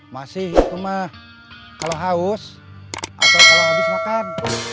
masih itu mah kalau haus atau kalau habis makan